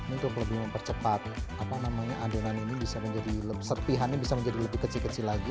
untuk lebih mempercepat adonan ini bisa menjadi serpihannya bisa menjadi lebih kecil kecil lagi